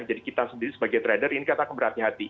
jadi kita sendiri sebagai trader ini katakan berhati hati